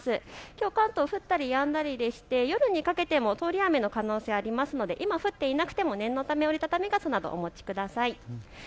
きょう関東、降ったりやんだりでして夜にかけても通り雨の可能性がありますので今降っていなくても念のため折り畳み傘などお持ちください。